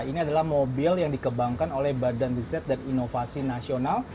ini adalah mobil yang dikembangkan oleh badan riset dan inovasi nasional